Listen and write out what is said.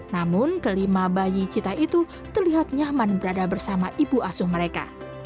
namun kelima bayi cita itu terlihat nyaman berada bersama ibu asuh mereka